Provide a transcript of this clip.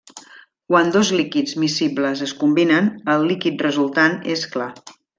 Quan dos líquids miscibles es combinen, el líquid resultant és clar.